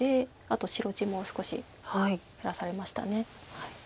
あと白地も少し減らされました。